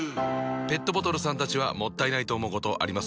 ペットボトルさんたちはもったいないと思うことあります？